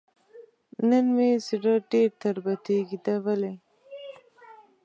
نن مې زړه ډېر تربتېږي دا ولې ؟